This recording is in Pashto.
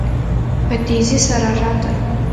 په تيزی سره راته.